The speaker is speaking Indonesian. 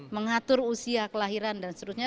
mengatur usia kelahiran dan seterusnya